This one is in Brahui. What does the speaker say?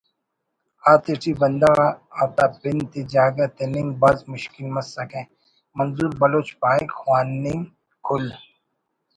آتیٹی بندغ آتا پن تے جاگہ تننگ بھاز مشکل مسکہ منظور بلوچ پاہک خواننگ کل